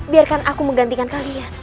biarkan aku menggantikan kalian